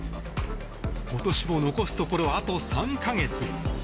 今年も残すところ、あと３か月。